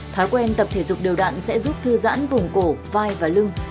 thói quen tập thể dục đều đạn sẽ giúp thư giãn vùng cổ vai và lưng